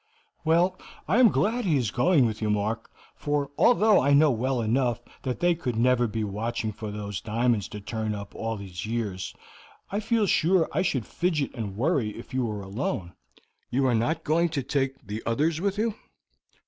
"Well, I am glad he is going with you, Mark; for although I know well enough that they could never be watching for those diamonds to turn up all these years, I feel sure I should fidget and worry if you were alone. You are not going to take the others with you?"